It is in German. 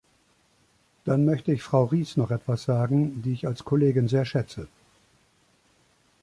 Dann möchte ich Frau Ries noch etwas sagen, die ich als Kollegin sehr schätze.